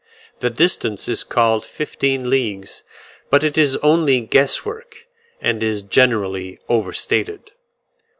The distance is called fifteen leagues; but it is only guess work, and is generally overstated.